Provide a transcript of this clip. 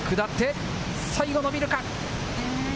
最後、伸びるか？